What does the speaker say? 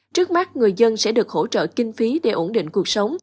trước mắt người dân sẽ được hỗ trợ kinh phí để ổn định cuộc sống